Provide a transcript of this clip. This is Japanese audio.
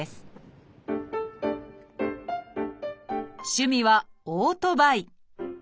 趣味はオートバイ。